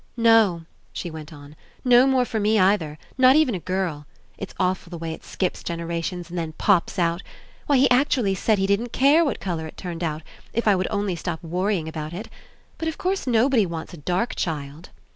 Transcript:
"No," she went on, "no more for me either. Not even a girl. It's awful the way it skips generations and then pops out. Why, he actually said he didn't care what colour it turned out, if I would only stop worrying about it. But, of course, nobody wants a dark child."